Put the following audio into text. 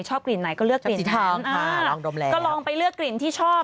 ชอบกลิ่นไหนก็เลือกกลิ่นที่ชอบ